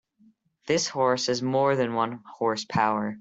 This horse has more than one horse power.